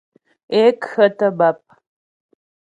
Ě khə́tə̀ bàp.